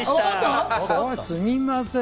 すみません！